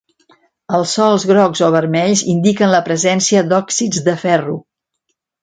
Els sòls grocs o vermells indiquen la presència d'òxids de ferro.